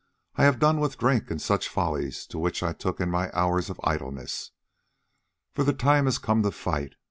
"I have done with drink and such follies to which I took in my hours of idleness, for the time has come to fight.